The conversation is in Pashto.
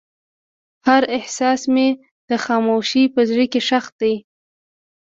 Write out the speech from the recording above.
هر احساس مې د خاموشۍ په زړه کې ښخ دی.